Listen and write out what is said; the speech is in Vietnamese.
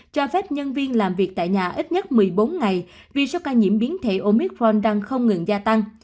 cho phép nhân viên làm việc tại nhà ít nhất một mươi bốn ngày vì số ca nhiễm biến thể omitron đang không ngừng gia tăng